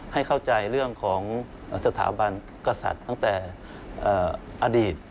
ให้เข้าใจเรื่องของสถาบันกษัตริย์ตั้งแต่อดีต